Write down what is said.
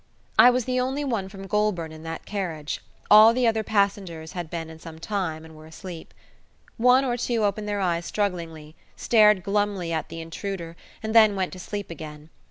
I was the only one from Goulburn in that carriage; all the other passengers had been in some time and were asleep. One or two opened their eyes strugglingly, stared glumly at the intruder, and then went to sleep again.